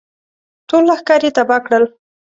ټول لښکر یې تباه کړل.